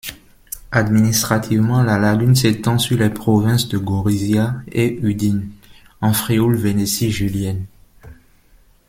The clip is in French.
Administrativement, la lagune s'étend sur les provinces de Gorizia et Udine, en Frioul-Vénétie julienne.